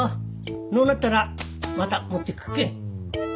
のうなったらまた持ってくっけん。